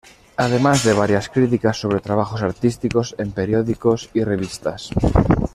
Además de varias críticas sobre trabajos artísticos en periódicos y revistas.